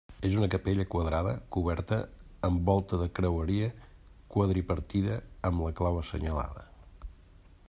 És una capella quadrada coberta amb volta de creueria quadripartida amb la clau assenyalada.